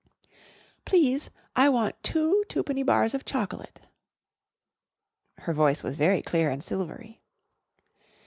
"Please, I want two twopenny bars of chocolate." Her voice was very clear and silvery.